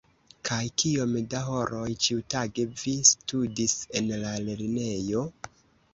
Kaj kiom da horoj ĉiutage vi studis en la lernejo?